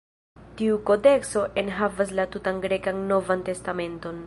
Tiu kodekso enhavas la tutan grekan Novan Testamenton.